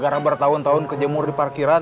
gara gara bertahun tahun kejemur di parkiran